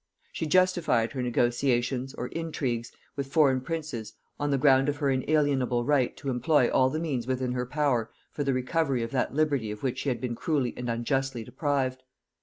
She justified her negotiations, or intrigues, with foreign princes, on the ground of her inalienable right to employ all the means within her power for the recovery of that liberty of which she had been cruelly and unjustly deprived.